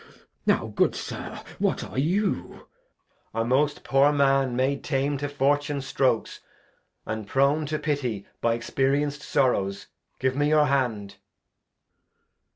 Now, good Sir, what are you ? Edg. A most poor Man made tame to Fortune's Strokes, And prone to pity by experienc'd Sorrows ; give me your Hand.